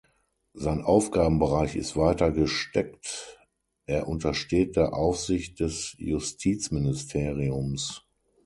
Sein Aufgabenbereich ist weiter gesteckt; er untersteht der Aufsicht des Justizministeriums.